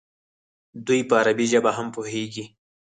دوی په عربي ژبه هم پوهېږي.